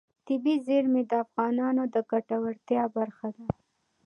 طبیعي زیرمې د افغانانو د ګټورتیا برخه ده.